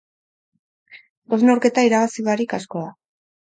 Bost neurketa irabazi barik asko da.